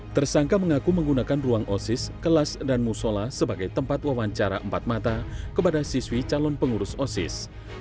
tersangka mengaku menggunakan ruang osis kelas dan musola sebagai tempat wawancara empat mata kepada siswi calon pengurus osis